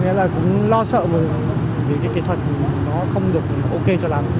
nghĩa là cũng lo sợ vì cái kỹ thuật nó không được ok cho làm